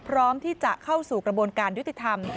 พร้อมที่จะเข้าสู่กระบวนการยุติธรรม